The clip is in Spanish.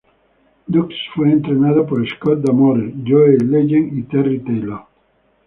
Dux fue entrenado por Scott D'Amore, Joe E. Legend y Terry Taylor.